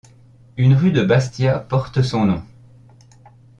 Une rue de Bastia porte son nom.